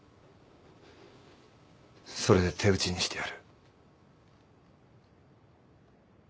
それで手打ちにしてやる。